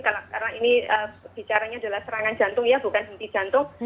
karena ini bicaranya adalah serangan jantung ya bukan henti jantung